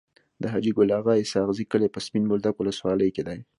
د حاجي ګل اغا اسحق زي کلی په سپين بولدک ولسوالی کي دی.